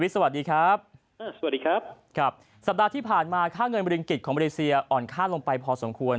สวัสดีครับสัปดาห์ที่ผ่านมาค่าเงินมะเร็งกิจของมาเลเซียอ่อนคาดลงไปพอสมควร